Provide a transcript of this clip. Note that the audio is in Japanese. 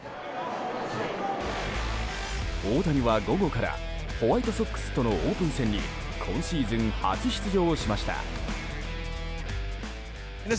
大谷は午後からホワイトソックスとのオープン戦に今シーズン初出場しました。